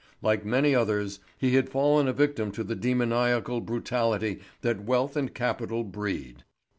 Like many others, he had fallen a victim to the demoniacal brutality that wealth and capital breed.